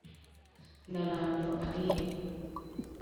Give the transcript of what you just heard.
Na Lando alihe?